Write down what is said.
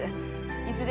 いずれ